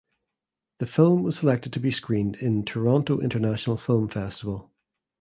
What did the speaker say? The film was selected to be screened in Toronto International Film Festival.